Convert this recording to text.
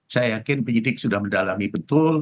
saya yakin penyidik sudah mendalami betul